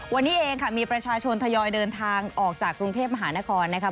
วันนี้เองค่ะมีประชาชนทยอยเดินทางออกจากกรุงเทพมหานครนะคะ